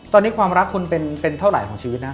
ตอนนี้ความรักคุณเป็นเท่าไหร่ของชีวิตนะ